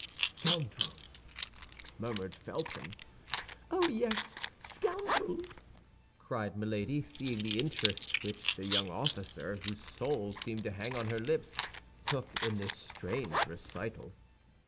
"Scoundrel!" murmured Felton. "Oh, yes, scoundrel!" cried Milady, seeing the interest which the young officer, whose soul seemed to hang on her lips, took in this strange recital.